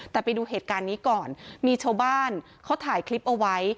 แต่ไปดูเหตุการณ์นี้ก่อนมีชาวบ้านเขาถ่ายคลิปเอาไว้